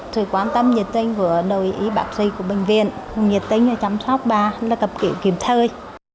tôi quan tâm nhiệt tinh của đội y bác sĩ của bệnh viện nhiệt tinh chăm sóc bà cập kỷ kiểm thơi